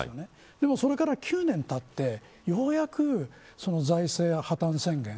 でも、それから９年たってようやく財政破綻宣言。